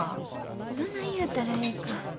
どない言うたらええか。